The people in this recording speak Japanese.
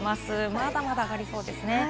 まだまだ上がりそうですね。